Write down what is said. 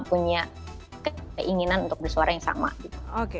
punya keinginan untuk bersuara yang sama gitu